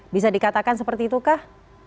bisa dikatakan seperti itukah